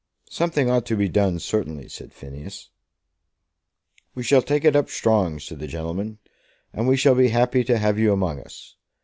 "Something ought to be done, certainly," said Phineas. "We shall take it up strong," said the gentleman, "and we shall be happy to have you among us.